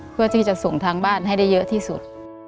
เพื่อที่จะส่งทางบ้านให้ได้เยอะที่สุด